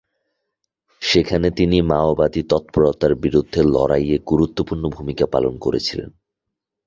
সেখানে তিনি মাওবাদী তৎপরতার বিরুদ্ধে লড়াইয়ে গুরুত্বপূর্ণ ভূমিকা পালন করেছিলেন।